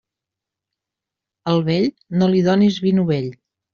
Al vell, no li dónes vi novell.